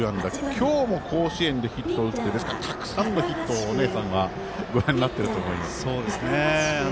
今日も甲子園でヒットを打ってですから、たくさんのヒットをお姉さんはご覧になっていると思います。